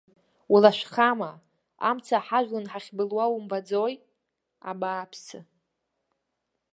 Улашәхама, амца ҳажәлан ҳахьбылуа умбаӡои, абааԥсы?